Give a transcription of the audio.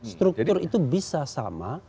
struktur itu bisa sama